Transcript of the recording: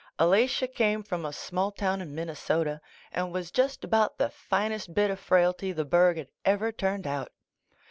Alatia came from a small town in Min nesota and was just about the tinest bit of frailty the burg had ever turned out.